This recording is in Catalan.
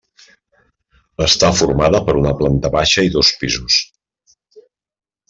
Està formada per una planta baixa i dos pisos.